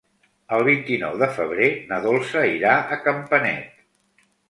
El vint-i-nou de febrer na Dolça irà a Campanet.